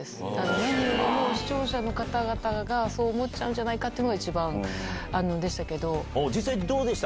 何よりも視聴者の方々がそう思っちゃうんじゃないかっていうのが、実際どうでした？